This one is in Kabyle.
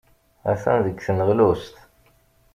Atan deg tneɣlust.